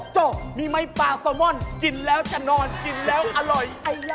โจ้มีไม้ปลาซามอนกินแล้วจะนอนกินแล้วอร่อย